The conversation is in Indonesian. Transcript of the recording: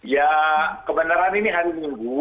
ya kebenaran ini hari minggu